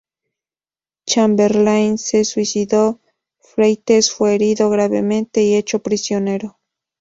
Chamberlain se suicidó, Freites fue herido gravemente y hecho prisionero.